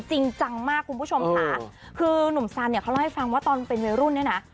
จริงจังมากคุณผู้ชมค่ะคือนุ่มซันเนี่ยเขาเล่าให้ฟังว่าตอนเป็นวัยรุ่นเนี่ยนะ